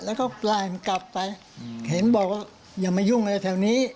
แล้วก็ปล่อยมันกลับไปเขาบอกอย่ามายุ่งอะไรแถวนี้